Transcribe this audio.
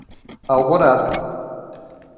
Alvorada